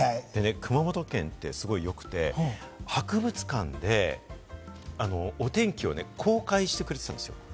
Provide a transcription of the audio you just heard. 熊本県って、すごく良くて、博物館でお天気をね、公開してくれていたんですよ。